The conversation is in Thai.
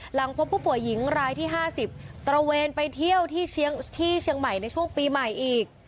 หลังพบผู้ป่วยหญิงรายที่๕๐ตระเวนไปเที่ยวที่เชียงใหม่ในช่วงปีใหม่อีก